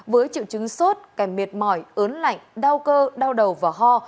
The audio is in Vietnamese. với triệu chứng sốt kèm mệt mỏi ớn lạnh đau cơ đau đầu và ho